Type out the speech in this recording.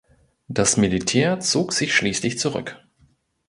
Das Militär zog sich schließlich zurück.